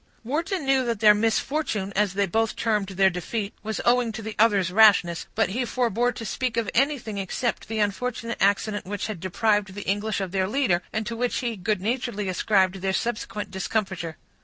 Wharton knew that their misfortune, as they both termed their defeat, was owing to the other's rashness; but he forbore to speak of anything except the unfortunate accident which had deprived the English of their leader, and to which he good naturedly ascribed their subsequent discomfiture.